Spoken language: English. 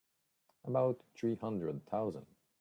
About three hundred thousand.